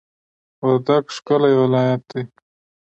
وردګ ښکلی ولایت دی